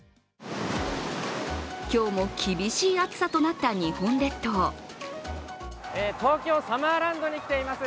今日も厳しい暑さとなった日本列島東京サマーランドに来ています。